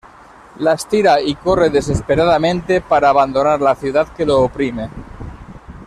Las tira y corre desesperadamente para abandonar la ciudad que lo oprime.